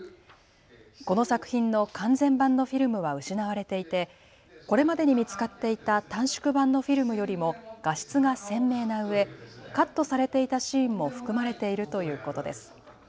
この作品の完全版のフィルムは失われていてこれまでに見つかっていた短縮版のフィルムよりも画質が鮮明なうえカットされていたシーンも含まれているということです。